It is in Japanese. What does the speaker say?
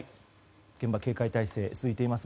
現場警戒態勢が続いています。